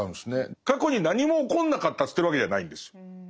過去に何も起こんなかったって言ってるわけじゃないんです。